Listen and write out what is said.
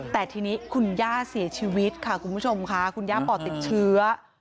แต่ทีนี้คุณย่าเสียชีวิตค่ะคุณผู้ชมค่ะคุณย่าปอดติดเชื้อ